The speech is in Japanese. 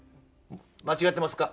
間違ってますか？